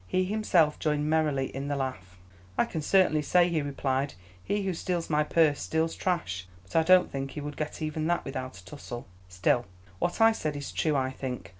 He, himself, joined merrily in the laugh. "I can certainly say," he replied, "'He who steals my purse steals trash;' but I don't think he would get even that without a tussle. Still, what I said is true, I think.